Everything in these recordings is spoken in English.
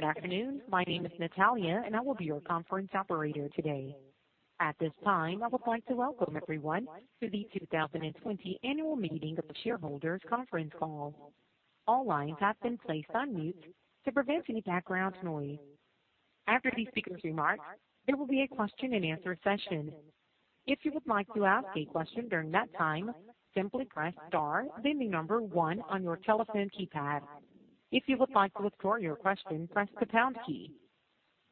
Good afternoon. My name is Natalia, and I will be your conference operator today. At this time, I would like to welcome everyone to the 2020 annual meeting of the shareholders conference call. All lines have been placed on mute to prevent any background noise. After the speaker's remarks, there will be a question and answer session. If you would like to ask a question during that time, simply press star, then the number one on your telephone keypad. If you would like to withdraw your question, press the pound key.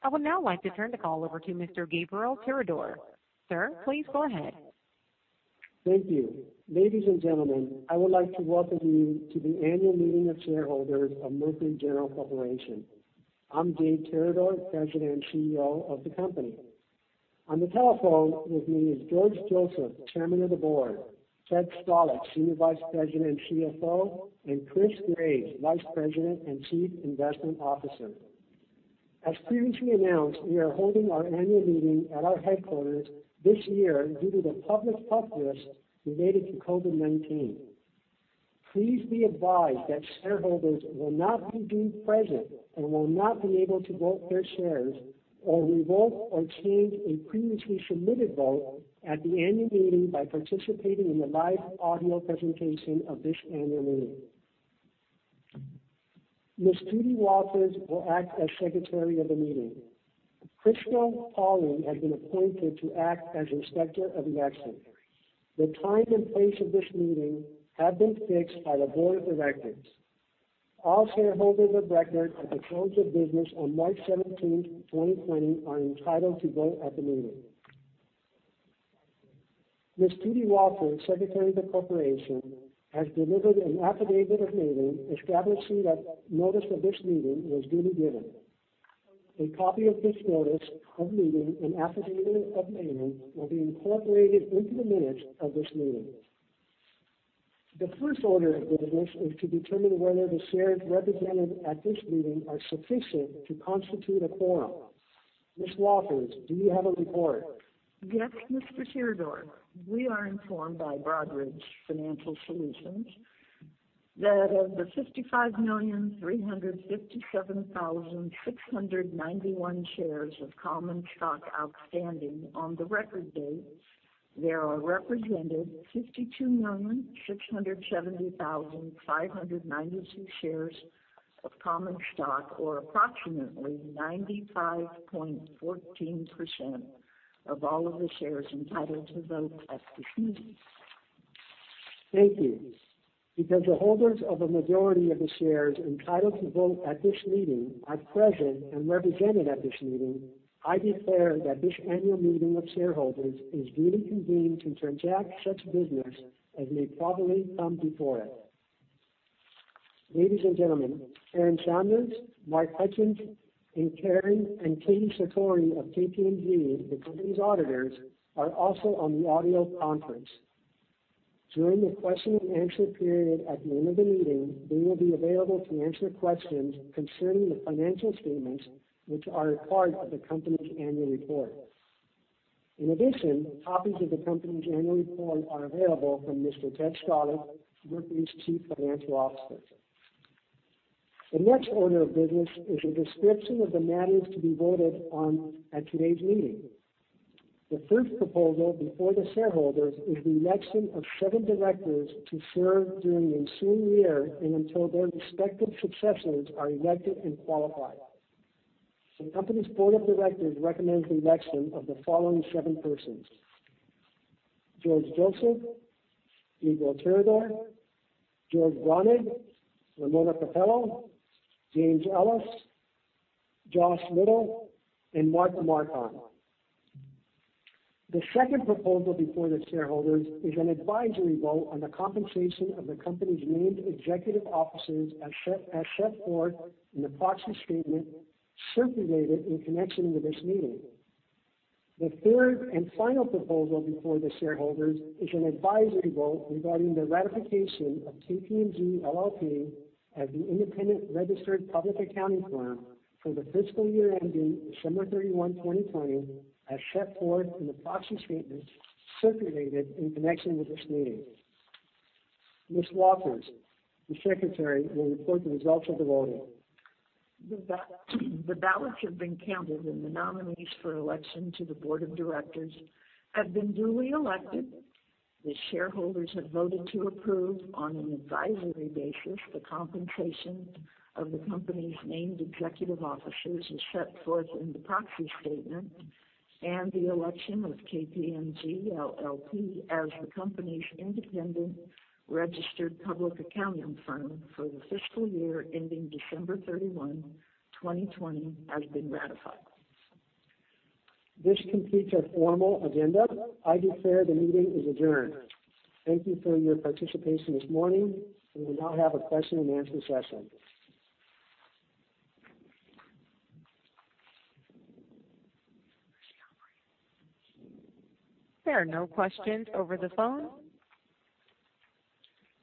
I would now like to turn the call over to Mr. Gabriel Tirador. Sir, please go ahead. Thank you. Ladies and gentlemen, I would like to welcome you to the annual meeting of shareholders of Mercury General Corporation. I'm Gabe Tirador, President and CEO of the company. On the telephone with me is George Joseph, Chairman of the Board, Ted Stalick, Senior Vice President and CFO, and Chris Graves, Vice President and Chief Investment Officer. As previously announced, we are holding our annual meeting at our headquarters this year due to the public health risk related to COVID-19. Please be advised that shareholders will not be deemed present and will not be able to vote their shares or revoke or change a previously submitted vote at the annual meeting by participating in the live audio presentation of this annual meeting. Ms. Judy Walters will act as Secretary of the meeting. Crystal Pawling has been appointed to act as Inspector of the Election. The time and place of this meeting have been fixed by the Board of Directors. All shareholders of record at the close of business on March 17th, 2020, are entitled to vote at the meeting. Ms. Judy Walters, Secretary of the Corporation, has delivered an affidavit of mailing establishing that notice of this meeting was duly given. A copy of this notice of meeting and affidavit of mailing will be incorporated into the minutes of this meeting. The first order of business is to determine whether the shares represented at this meeting are sufficient to constitute a quorum. Ms. Walters, do you have a report? Yes, Mr. Tirador. We are informed by Broadridge Financial Solutions that of the 55,357,691 shares of common stock outstanding on the record date, there are represented 52,670,592 shares of common stock, or approximately 95.14% of all of the shares entitled to vote at this meeting. Thank you. Because the holders of a majority of the shares entitled to vote at this meeting are present and represented at this meeting, I declare that this annual meeting of shareholders is duly convened to transact such business as may properly come before it. Ladies and gentlemen, Aaron Sanders, Mark Hutchins, and Karen and Katie Sartori of KPMG, the company's auditors, are also on the audio conference. During the question and answer period at the end of the meeting, they will be available to answer questions concerning the financial statements, which are a part of the company's annual report. In addition, copies of the company's annual report are available from Mr. Ted Stalick, Mercury's Chief Financial Officer. The next order of business is a description of the matters to be voted on at today's meeting. The first proposal before the shareholders is the election of seven directors to serve during the ensuing year and until their respective successors are elected and qualified. The company's board of directors recommends the election of the following seven persons: George Joseph, Gabriel Tirador, George Braunegg, Ramona Cappello, James Ellis, Josh Little, and Martha Marcon. The second proposal before the shareholders is an advisory vote on the compensation of the company's named executive officers as set forth in the proxy statement circulated in connection with this meeting. The third and final proposal before the shareholders is an advisory vote regarding the ratification of KPMG LLP as the independent registered public accounting firm for the fiscal year ending December 31, 2020, as set forth in the proxy statement circulated in connection with this meeting. Ms. Walters, the Secretary, will report the results of the voting. The ballots have been counted, and the nominees for election to the board of directors have been duly elected. The shareholders have voted to approve, on an advisory basis, the compensation of the company's named executive officers as set forth in the proxy statement, and the election of KPMG LLP as the company's independent registered public accounting firm for the fiscal year ending December 31, 2020, has been ratified. This completes our formal agenda. I declare the meeting is adjourned. Thank you for your participation this morning. We will now have a question and answer session. There are no questions over the phone.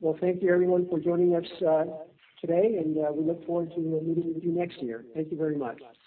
Well, thank you, everyone, for joining us today, and we look forward to meeting with you next year. Thank you very much.